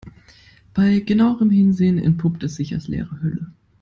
Bei genauerem Hinsehen entpuppt es sich als leere Hülle.